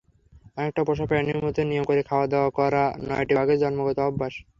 অনেকটা পোষা প্রাণীর মতো নিয়ম করে খাওয়াদাওয়া করা নয়টি বাঘের জন্মগত অভ্যাস।